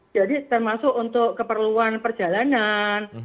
jadi termasuk untuk keperluan perjalanan